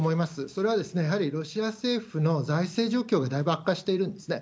それはやはりロシア政府の財政状況がだいぶ悪化しているんですね。